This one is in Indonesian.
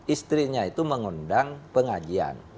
istrinya itu mengundang pengajian